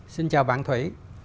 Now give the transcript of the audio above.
xin chào bạn thủy